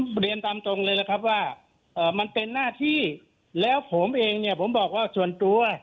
เรียนตามตรงเลยนะครับว่ามันเป็นหน้าที่แล้วผมเองเนี่ยผมบอกว่าส่วนตัว